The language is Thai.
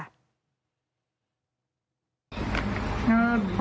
อ้าวเคียบ